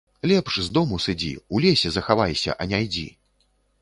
Лепш з дому сыдзі, у лесе захавайся, а не ідзі.